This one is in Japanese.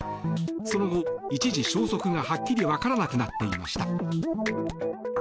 その後、一時消息がはっきりわからなくなっていました。